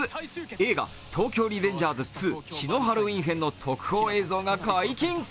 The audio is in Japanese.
映画「東京卍リベンジャーズ２血のハロウィン編」の特報映像が解禁。